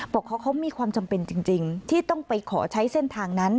บอกว่าเขามีความจำเป็นจริงที่ต้องไปขอใช้เส้นทางนั้น